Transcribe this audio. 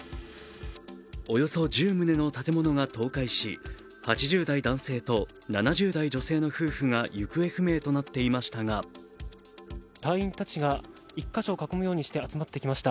およそ１０棟の建物が倒壊し８０代男性と７０代女性の夫婦が行方不明となっていましたが隊員たちが１か所を囲むようにして集まってきました。